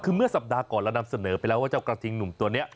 คือเมื่อสัปดาห์ก่อนเรานำเสนอไปแล้วว่าเจ้ากระทิงหนุ่มตัวนี้